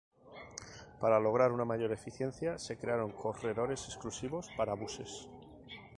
Para lograr una mayor eficiencia se crearon corredores exclusivos para buses.